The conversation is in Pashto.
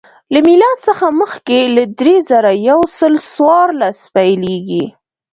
له میلاد څخه مخکې له درې زره یو سل څوارلس پیلېږي